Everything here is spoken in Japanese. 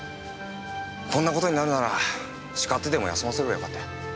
こんなことになるなら叱ってでも休ませればよかったよ。